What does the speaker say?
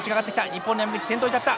日本の山口先頭に立った。